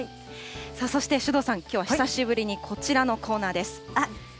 そして首藤さん、きょうは久しぶりにこちらのコーナーです。